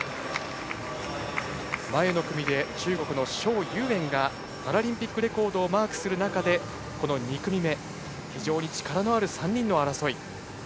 前の組で中国の蒋裕燕がパラリンピックレコードをマークする中、２組目は非常に力のある３人の争い。